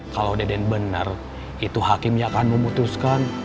kalau deden bener itu hakim yang akan memutuskan